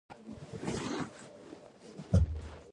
د جنوبي امریکا خلیجونه څه پوهیږئ؟